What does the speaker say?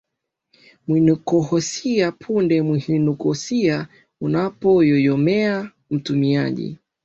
mwinukohisia Punde mwinukohisia unapoyoyomea mtumiaji